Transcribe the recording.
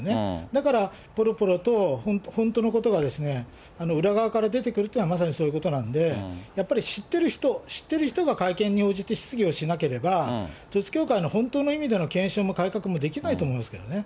だからぽろぽろと、本当のことが裏側から出てくるっていうのは、まさにそういうことなんで、やっぱり知ってる人、知ってる人が会見に応じて質疑をしなければ、統一教会の本当の意味でのけんしんも改革もできないと思うんですけどね。